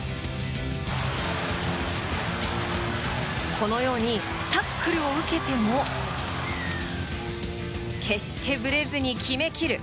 このようにタックルを受けても決してぶれずに決めきる。